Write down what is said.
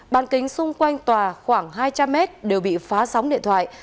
bàn kính xung quanh tòa khoảng hai trăm linh mét đều bị phá sóng điện thoại